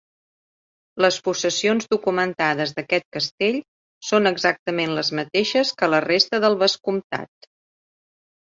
Les possessions documentades d'aquest castell són exactament les mateixes que la resta del vescomtat.